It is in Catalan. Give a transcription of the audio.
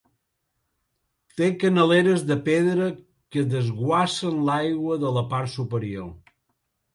Té canaleres de pedra que desguassen l'aigua de la part superior.